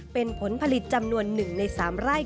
เป็นผลผลิตจำนวนหนึ่งในสามราย